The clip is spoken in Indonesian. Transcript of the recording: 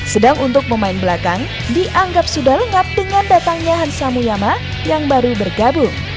sedang untuk pemain belakang dianggap sudah lengap dengan datangnya hansa muyama yang baru bergabung